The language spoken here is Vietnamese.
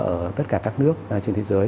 ở tất cả các nước trên thế giới